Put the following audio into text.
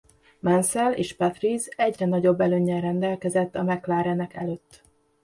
Mansell és Patrese egyre nagyobb előnnyel rendelkezett a McLarenek előtt.